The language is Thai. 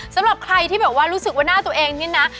สำหรับใครที่แบบว่ารู้สึกว่าหน้าตัวเองนี่นะ